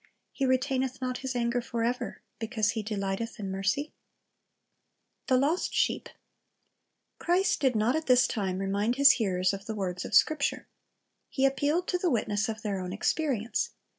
He retaineth not His anger forever, because He delighteth in mercy" ?^ THE LOST SHEEP Christ did not at this time remind His hearers of the words of Scripture. He appealed to the witness of their own experience.